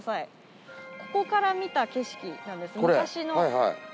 ここから見た景色です、昔の。